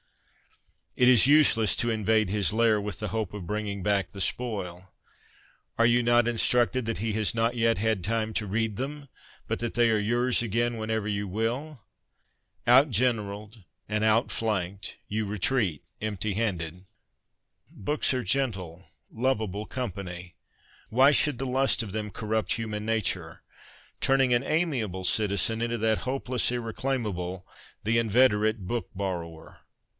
It is useless to invade his lair with the hope of bringing back the spoil. Are you not instructed that he has not yet had time to read them, but that they are yours again whenever you will ? Out generalled and outflanked, you retreat empty handed. ' Books are gentle, lovable company. Why should the lust of them corrupt human nature, turning an amiable citizen into that hopeless irreclaimable, the inveterate book borrower